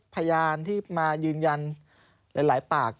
พยานที่มายืนยันหลายปาก